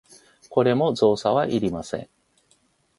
これも造作はいりません。